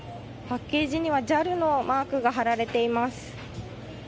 パッケージにはＪＡＬのマークが貼られています。